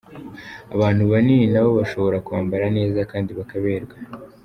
Abantu banini nabo bashobora kwambara neza kandi bakaberwa.